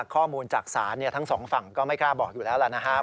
ข้อมูลจากศาลทั้งสองฝั่งก็ไม่กล้าบอกอยู่แล้วล่ะนะครับ